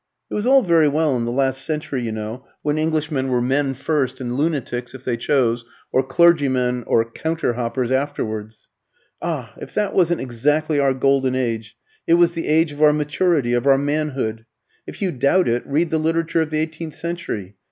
It was all very well in the last century, you know, when Englishmen were men first, and lunatics, if they chose, or clergymen or counter hoppers, afterwards. Ah! if that wasn't exactly our golden age, it was the age of our maturity, of our manhood. If you doubt it, read the literature of the eighteenth century.